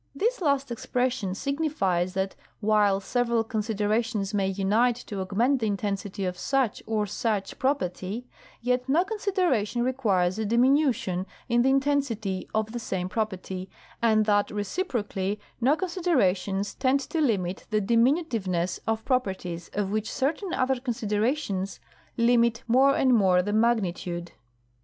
This last expression signifies that while several considerations may unite to augment the intensity of such or such property, yet no con sideration requires a diminution in the intensity of the same property, and that reciprocally no considerations tend to limit the diminutive ness of properties of which certain other considerations limit more and more the magnitude.